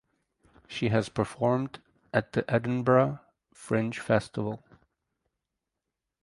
She has performed at the Edinburgh Fringe Festival.